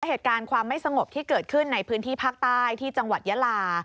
เหตุการณ์ความไม่สงบที่เกิดขึ้นในพื้นที่ภาคใต้ที่จังหวัดยาลา